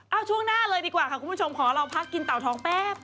เอาช่วงหน้าเลยดีกว่าค่ะคุณผู้ชมขอเราพักกินเต่าทองแป๊บ